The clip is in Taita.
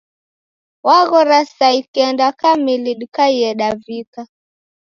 Waghora saa ikenda kamili dikaie davika